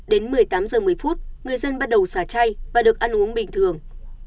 đến một mươi tám h một mươi người dân bắt đầu xả chay và được ăn uống bình thường